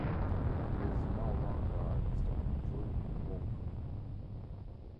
It is now run by Mr Andrew Walker.